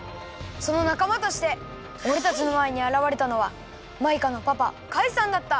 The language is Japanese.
そのなかまとしておれたちのまえにあらわれたのはマイカのパパカイさんだった！